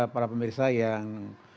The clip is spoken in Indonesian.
para pemirsa yang